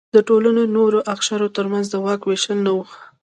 د ټولنې د نورو اقشارو ترمنځ د واک وېشل نه و.